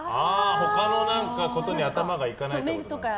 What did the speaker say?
他のことに頭がいかないってことですか。